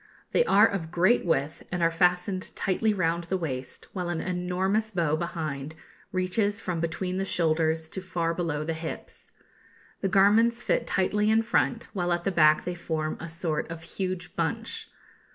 They are of great width, and are fastened tightly round the waist, while an enormous bow behind reaches from between the shoulders to far below the hips. The garments fit tightly in front, while at the back they form a sort of huge bunch.